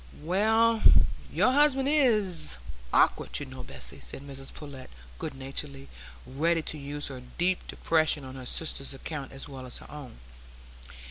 "Well, your husband is awk'ard, you know, Bessy," said Mrs Pullet, good naturedly ready to use her deep depression on her sister's account as well as her own.